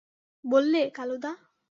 বললে, কালুদা!